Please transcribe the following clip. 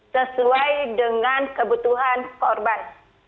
sesuai dengan kebutuhan korban